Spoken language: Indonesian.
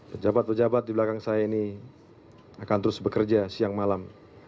pejabat pejabat di belakang saya ini akan terus bekerja siang malam